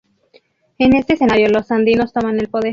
En este escenario los andinos toman el poder.